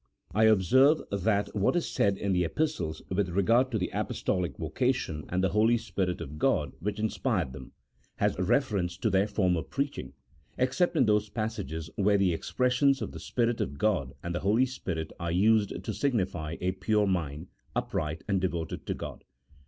I observe that what is said in the Epistles with regard to the Apostolic vocation and the Holy Spirit of God which inspired them, has reference to their former preaching, except in those passages where the ex pressions of the Spirit of God and the Holy Spirit are used to signify a mind pure, upright, and devoted to God.